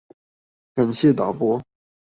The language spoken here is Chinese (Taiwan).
感謝導播